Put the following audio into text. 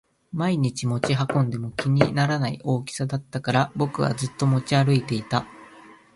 毎日持ち運んでも気にならない大きさだったから僕はずっと持ち歩いていた